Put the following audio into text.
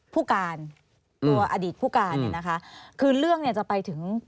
ผู้การตัวอดีตผู้การเนี่ยนะคะคือเรื่องเนี่ยจะไปถึง